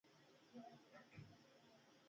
ډوډۍ د غنمو څخه پخیږي